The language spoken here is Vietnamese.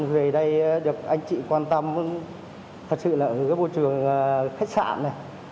về đây được anh chị quan tâm thật sự là ở cái môi trường khách sạn này